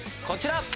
こちら！